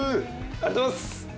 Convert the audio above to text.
ありがとうございます！